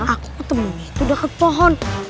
aku ketemu itu deket pohon